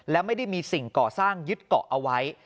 และไม่ได้มีสิ่งก่อสร้างยึดเกาะเอาไว้